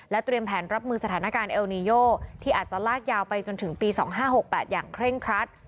เตรียมแผนรับมือสถานการณ์เอลนีโยที่อาจจะลากยาวไปจนถึงปี๒๕๖๘อย่างเคร่งครัด